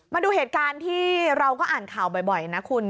มาดูเหตุการณ์ที่เราก็อ่านข่าวบ่อยนะคุณ